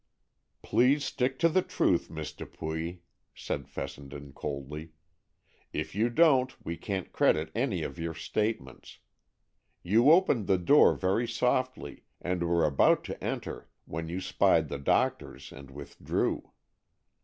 "Please stick to the truth, Miss Dupuy," said Fessenden coldly. "If you don't, we can't credit any of your statements. You opened the door very softly, and were about to enter, when you spied the doctors and withdrew."